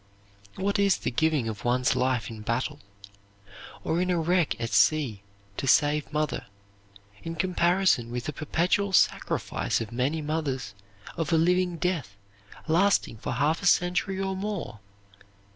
What is the giving of one's life in battle or in a wreck at sea to save another, in comparison with the perpetual sacrifice of many mothers of a living death lasting for half a century or more?